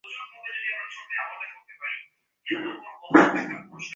তোমাদের নিজেদেরই হয়তো এ বিষয়ে অভিজ্ঞতা আছে।